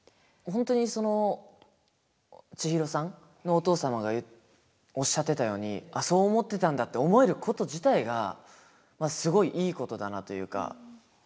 本当にその千尋さんのお父様がおっしゃってたようにあっそう思ってたんだって思えること自体がすごいいいことだなというか。